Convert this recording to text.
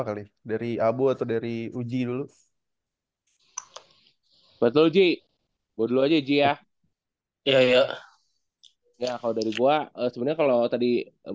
kali dari abu atau dari uji dulu betul ji gue dulu aja ji ya iya kalau dari gua sebenarnya kalau tadi